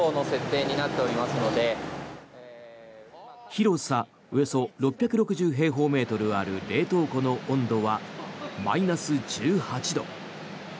広さおよそ６６０平方メートルある冷凍庫の温度はマイナス１８度。